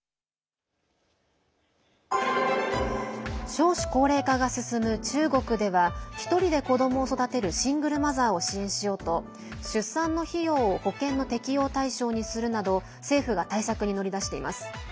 少子高齢化が進む中国では１人で子どもを育てるシングルマザーを支援しようと出産の費用を保険の適用対象にするなど政府が対策に乗り出しています。